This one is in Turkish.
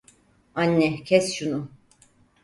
Anne, kes şunu.